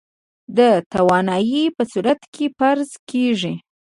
د توانايي په صورت کې فرض کېږي.